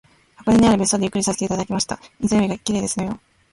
箱根にある別荘でゆっくりさせていただきました。湖が綺麗ですのよ